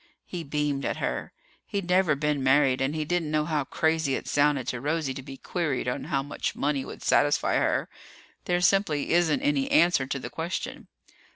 He beamed at her. He'd never been married and he didn't know how crazy it sounded to Rosie to be queried on how much money would satisfy her. There simply isn't any answer to the question.